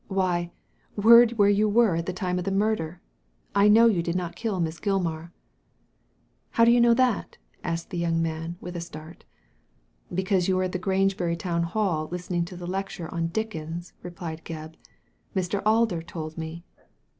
* Why ! word where you were at the time of the murder. I know you did not kill Miss Gilmar." " How do you know that ?" asked the young man, with a start " Because you were fn the Grangebury Town Hall listening to the lecture on Dickens,*' replied Gebb. •* Mr, Alder told me."